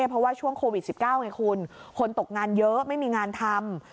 เพราะว่าช่วงโควิด๑๙ไงคุณคนตกงานเยอะไม่มีงานทำ